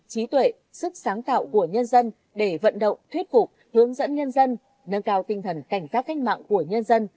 trí tuệ sức sáng tạo của nhân dân để vận động thuyết phục hướng dẫn nhân dân nâng cao tinh thần cảnh tác cách mạng của nhân dân